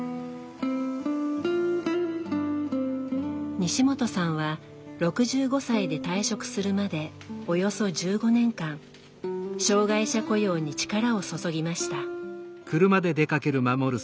西本さんは６５歳で退職するまでおよそ１５年間障害者雇用に力を注ぎました。